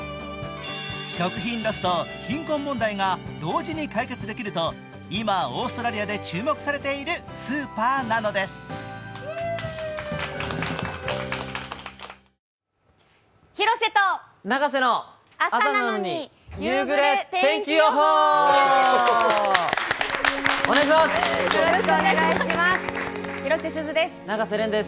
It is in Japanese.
食品ロスと貧困問題が同時に解決できると今オーストラリアで注目されているスーパーなんです。